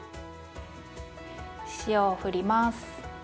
塩をふります。